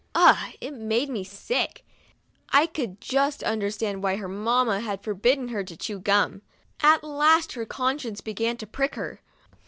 Ugh ! It made me sick ! I could just understand why her mamma had forbidden her to chew gum. At last her conscience began to prick her.